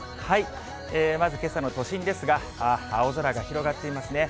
まずけさの都心ですが、青空が広がっていますね。